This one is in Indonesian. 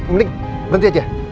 mending berhenti aja ya